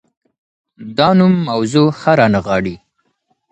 دا نوم موضوع ښه رانغاړي.